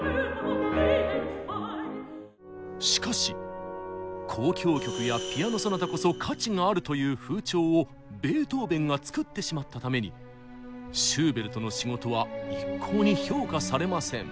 しかし「交響曲やピアノ・ソナタこそ価値がある」という風潮をベートーベンがつくってしまったためにシューベルトの仕事は一向に評価されません。